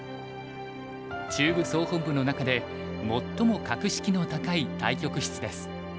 中部総本部の中で最も格式の高い対局室です。